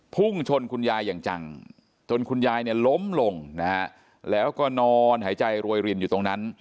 พุ่งชนคุณยายอย่างจังจนคุณยายเนี่ยล้มลงนะฮะแล้วก็นอนหายใจรวยรินอยู่ตรงนั้น